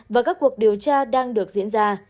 và các cuộc điều tra đang được diễn ra